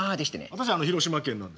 私広島県なんです。